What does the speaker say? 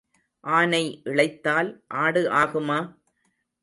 ஆனை இளைத்தால் ஆடு ஆகுமா?